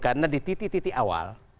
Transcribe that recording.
karena di titik titik awal